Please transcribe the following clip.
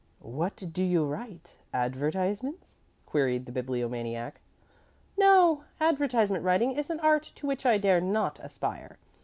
"What do you write advertisements?" queried the Bibliomaniac. "No. Advertisement writing is an art to which I dare not aspire.